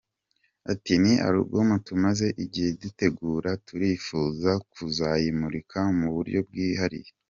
Ati “Ni album tumaze igihe dutegura, turifuza kuzayimurika mu buryo bwihariye.